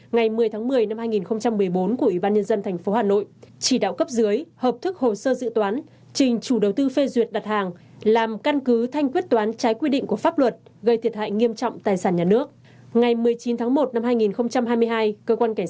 ngày một mươi tháng một mươi năm hai nghìn một mươi ba của chính phủ và quyết định bảy mươi bảy hai nghìn một mươi bốn qd ubng ngày một mươi tháng một mươi năm hai nghìn một mươi ba của chính phủ